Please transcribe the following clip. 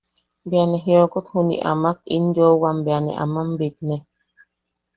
Bea ¡ne jijiok juniʼi! Amak in yooʼowam bea ne aman bitne.